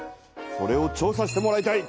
それを調さしてもらいたい。